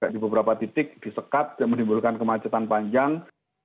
di beberapa titik disekat menimbulkan kemacetan panjang